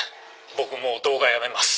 僕もう動画やめます。